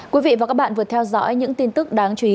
quý vị và các bạn vừa theo dõi những tin tức đáng chú ý